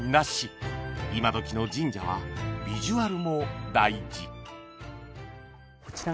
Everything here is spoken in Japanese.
今どきの神社はビジュアルも大事